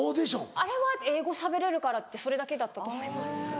あれは英語しゃべれるからってそれだけだったと思います。